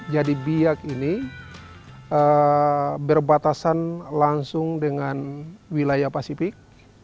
jadi biak ini berbatasan langsung dengan wilayah pasifik